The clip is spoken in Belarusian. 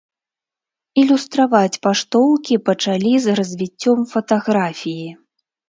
Ілюстраваць паштоўкі пачалі з развіццём фатаграфіі.